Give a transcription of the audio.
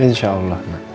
insya allah nak